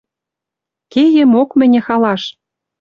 Кеемок мӹньӹ халаш! —